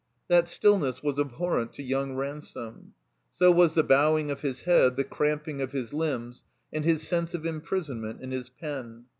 That stillness was abhorrent to young Ransome. So was the bowing of his head, the cramping of his limbs, and his sense of imprisonment in his pen.